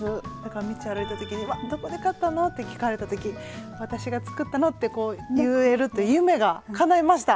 道歩いた時に「わっ！どこで買ったの？」って聞かれた時「私が作ったの」って言えるという夢がかないました。